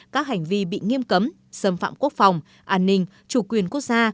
các hành vi bị nghiêm cấm xâm phạm quốc phòng an ninh chủ quyền quốc gia